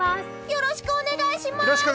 よろしくお願いします！